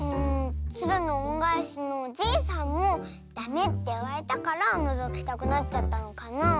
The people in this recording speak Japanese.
「つるのおんがえし」のおじいさんもダメっていわれたからのぞきたくなっちゃったのかなあ。